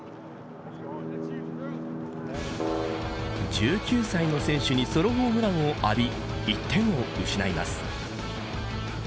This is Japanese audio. １９歳の選手にソロホームランを浴び１点を失います。